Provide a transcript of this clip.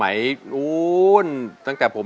เพลงนี้สี่หมื่นบาทค่ะอินโทรเพลงที่สาม